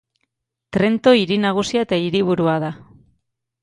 Trento hiri nagusia eta hiriburua da.